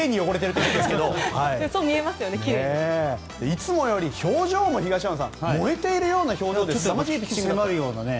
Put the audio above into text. いつもより表情も燃えているような表情ですよね。